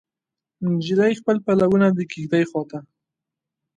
نجلۍ خپل پلونه د کیږدۍ وخواته